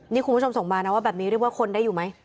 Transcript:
นี่คุณผู้ชมส่งมานะว่าแบบนี้เรียกว่าคนได้อยู่ไหม